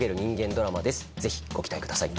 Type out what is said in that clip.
ぜひご期待ください。